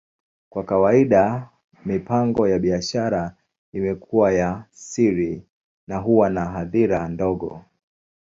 Kwa kawaida, mipango ya biashara imekuwa ya siri na huwa na hadhira ndogo.